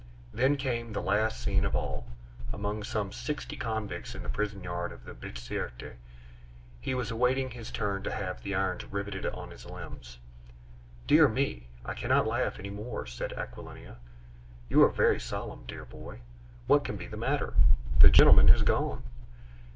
Then came the last scene of all; among some sixty convicts in the prison yard of the Bicêtre, he was awaiting his turn to have the irons riveted on his limbs. "Dear me! I cannot laugh any more!..." said Aquilina. "You are very solemn, dear boy; what can be the matter? The gentleman has gone."